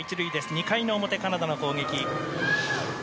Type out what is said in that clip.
２回の表、カナダの攻撃。